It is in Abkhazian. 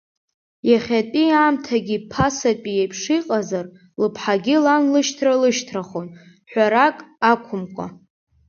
Иахьатәи аамҭагьы ԥасатәи еиԥш иҟазар, лыԥҳагьы лан лышьҭра лышьҭрахон, ҳәарак ақәмкәа.